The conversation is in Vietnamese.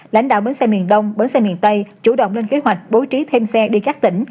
lãnh đạo bến xe miền đông bến xe miền tây chủ động lên kế hoạch bố trí thêm xe đi các tỉnh